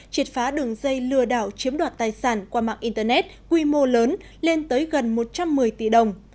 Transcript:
triệt phá đường dây lừa đảo chiếm đoạt tài sản qua mạng internet quy mô lớn lên tới gần một trăm một mươi tỷ đồng